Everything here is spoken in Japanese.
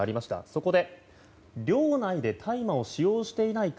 そこで寮内で大麻を使用していないか